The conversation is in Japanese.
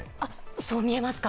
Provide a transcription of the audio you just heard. そう見えますか？